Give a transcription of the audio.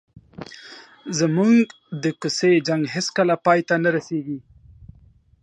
زموږ د کوڅې جنګ هېڅکله پای ته نه رسېږي.